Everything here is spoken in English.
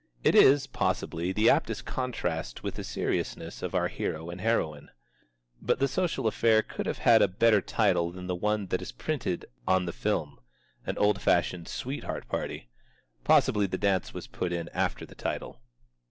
It is, possibly, the aptest contrast with the seriousness of our hero and heroine. But the social affair could have had a better title than the one that is printed on the film "An Old fashioned Sweetheart Party." Possibly the dance was put in after the title.